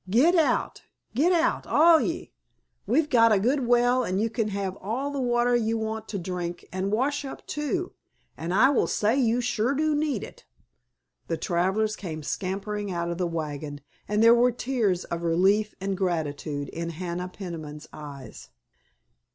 Git out, git out, all of ye! We've got a good well and you can have all the water ye want to drink and wash up, too, and I will say you sure do need it." The travelers came scrambling out of the wagon, and there were tears of relief and gratitude in Hannah Peniman's eyes.